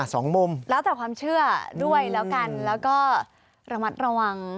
สองมุมแล้วแต่ความเชื่อด้วยแล้วกันแล้วก็ระมัดระวัง